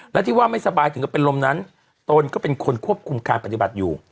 และที่ว่าไม่สบายถึงก็เป็นลมนั้นตนก็เป็นคนควบคุมการปฏิบัติอยู่